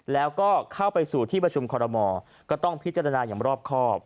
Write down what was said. แล้วก็เข้าไปสู่ที่ประชุมคอรมอก็ต้องพิจารณาอย่างรอบครอบ